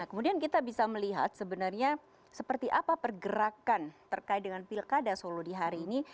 kemudian kita bisa melihat sebenarnya seperti apa pergerakan terkait dengan pilkada solo di hari ini